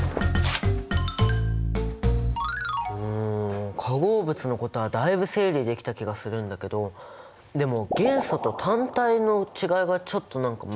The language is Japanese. うん化合物のことはだいぶ整理できた気がするんだけどでも元素と単体の違いがちょっと何か紛らわしいんだよね。